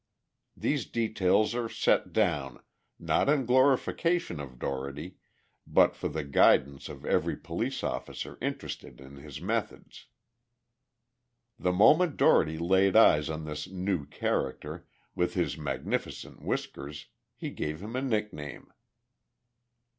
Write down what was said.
These details are set down, not in glorification of Dougherty, but for the guidance of every police officer interested in his methods. The moment Dougherty laid eyes on this new character, with his magnificent whiskers, he gave him a nickname.